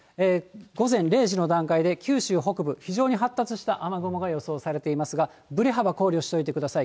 午前０時の段階で九州北部、非常に発達した雨雲が予想されていますが、ぶれ幅考慮しといてください。